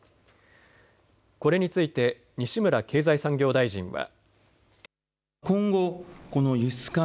これについて西村経済産業大臣は。